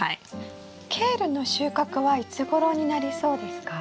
ケールの収穫はいつごろになりそうですか？